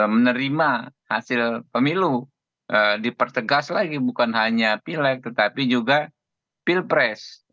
menerima hasil pemilu dipertegas lagi bukan hanya pilek tetapi juga pilpres